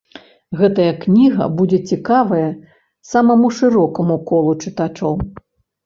Гэтая кніга будзе цікавая самаму шырокаму колу чытачоў.